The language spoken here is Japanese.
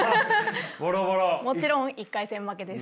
もちろん１回戦負けです。